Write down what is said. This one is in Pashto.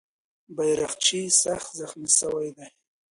بیرغچی سخت زخمي سوی دی.